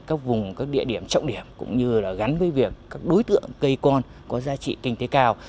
các vùng các địa điểm trọng điểm cũng như là gắn với việc các đối tượng cây con có giá trị kinh tế cao